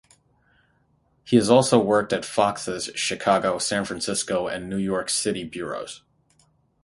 He has also worked at Fox's Chicago, San Francisco, and New York City bureaus.